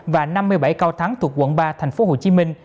và năm mươi bảy cao thắng thuộc quận ba tp hcm